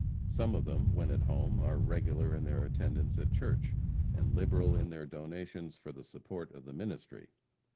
Some of them, when at home, are regular in their attendance at church, and liberal in their donations for the support of the ministry.